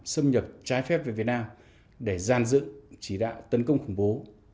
xâm nhập trái phép về việt nam để gian dựng chỉ đạo tấn công khủng bố